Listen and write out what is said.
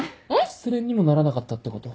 失恋にもならなかったってこと？